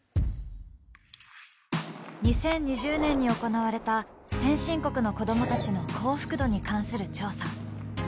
２０２０年に行われた先進国の子どもたちの幸福度に関する調査。